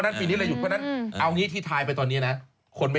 ต้องเป็นหนาวสั้นหลังอยู่คนเดียว